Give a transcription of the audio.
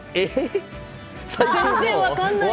全然分からない！